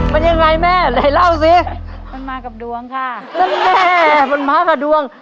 มันยังไงแม่ไหนเล่าสิมันมากับดวงค่ะแม่มันมากับดวง